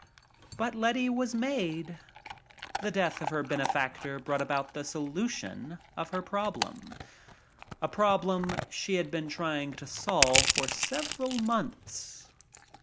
But Letty was "made." The death of her benefactor brought about the solution of her problem — a problem she had been trying to solve for several months.